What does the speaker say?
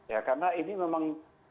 ya karena ini memang